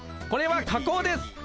これは加工です。